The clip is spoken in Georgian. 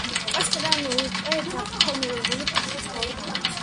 კვერცხიდან უკვე ფორმირებული პატარა ცხოველი გამოდის.